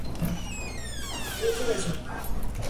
Se encuentra en el valle del río Valderaduey.